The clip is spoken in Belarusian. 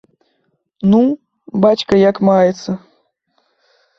Ну, бацька як маецца?